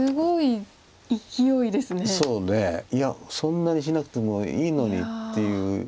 いやそんなにしなくてもいいのにっていう。